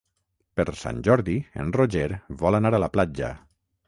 Per Sant Jordi en Roger vol anar a la platja.